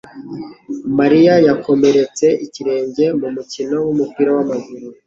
Mariya yakomeretse ikirenge mu mukino wumupira wamaguru.